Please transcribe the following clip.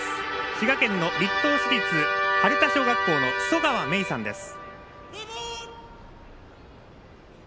滋賀県の栗東市立治田小学校の十川めいさんです。